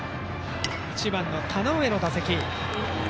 １番、田上の打席。